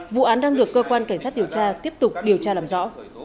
vụ án đang được cơ quan cảnh sát điều tra tiếp tục điều tra làm rõ